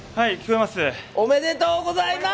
おめでとうございます！